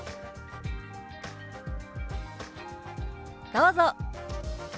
どうぞ。